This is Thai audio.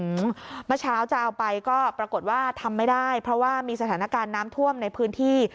เมื่อเช้าจะเอาไปก็ปรากฏว่าทำไม่ได้เพราะว่ามีสถานการณ์น้ำท่วมในพื้นที่